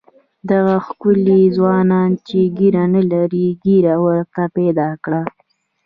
دغه ښکلي ځوانان چې ږیره نه لري ږیره ورته پیدا کړه.